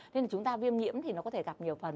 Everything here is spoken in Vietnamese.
nên chúng ta viêm nhiễm thì nó có thể gặp nhiều phần